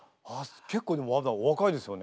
結構でもまだお若いですよね？